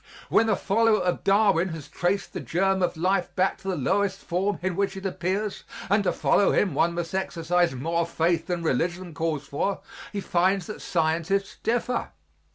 When the follower of Darwin has traced the germ of life back to the lowest form in which it appears and to follow him one must exercise more faith than religion calls for he finds that scientists differ.